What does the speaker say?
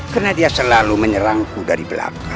karena dia selalu menyerangku dari belakang